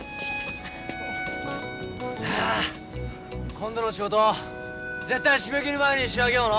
今度の仕事絶対締め切り前に仕上げようの。